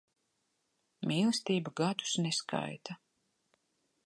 Mīlestība gadus neskaita.